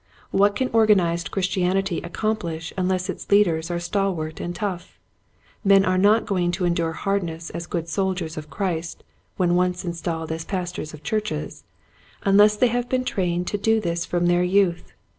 What can organized Chris tianity accomplish unless its leaders are stalwart and tough? Men are not going to endure hardness as good soldiers of Christ when once installed as pastors of churches unless they have been trained to do this from their youth.